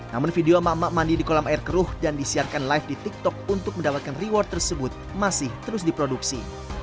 namun video mak mak mandi di kolam air keruh dan disiarkan live di tiktok untuk mendapatkan reward tersebut masih terus diproduksi